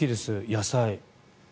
野菜。